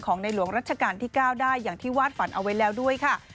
ในหลวงรัชกาลที่๙ได้อย่างที่วาดฝันเอาไว้แล้วด้วยค่ะ